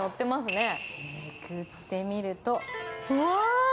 めくってみると、うわー。